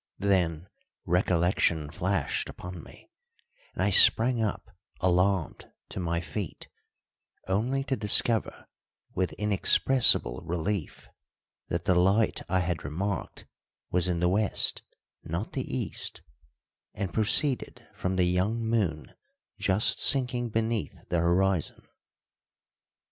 Then recollection flashed upon me, and I sprang up alarmed to my feet, only to discover with inexpressible relief that the light I had remarked was in the west, not the east, and proceeded from the young moon just sinking beneath the horizon.